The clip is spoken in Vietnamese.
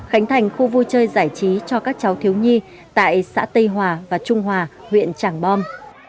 khánh thành khu vui chơi giải trí cho các cháu thiếu nhi tại xã tây hòa và trung hòa huyện tràng bom